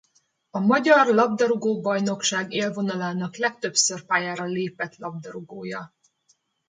A magyar labdarúgó-bajnokság élvonalának legtöbbször pályára lépett labdarúgója.